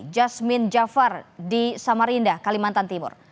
jasmin jafar di samarinda kalimantan timur